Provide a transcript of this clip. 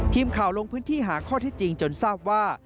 ทีมข่าวลงพื้นที่หาข้อที่จริงจนทราบว่า